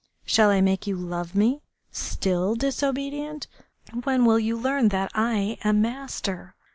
Shall I make you love me?... Still disobedient? When will you learn that I am master?...